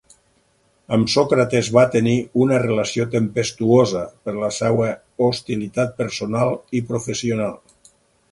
Amb Sòcrates va tenir una relació tempestuosa per la seva hostilitat personal i professional.